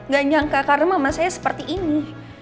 gak nyangka karena mama saya seperti ini